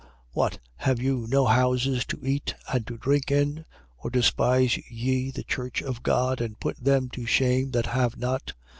11:22. What, have you no houses to eat and to drink in? Or despise ye the church of God and put them to shame that have not?